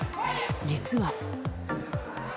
実は。